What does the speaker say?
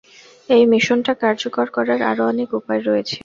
এই মিশনটা কার্যকর করার আরো অনেক উপায় রয়েছে।